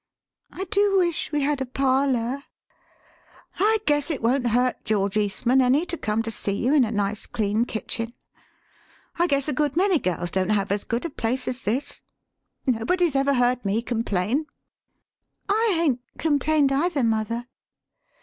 " I do wish we had a parlor." " I guess it won't hurt George Eastman any to come to see you in a nice clean kitchen. I guess a good many girls don't have as good a place as this. Nobody's ever heard me com plain." " I 'ain't complained either, mother."